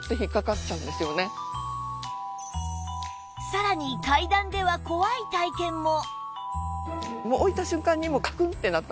さらに階段では怖い体験も